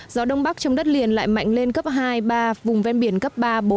gió đông bắc trong đất liền lại mạnh lên cấp hai ba vùng ven biển cấp ba bốn